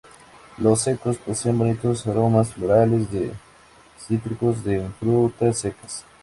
Los secos poseen bonitos aromas florales, de cítricos, de frutas secas.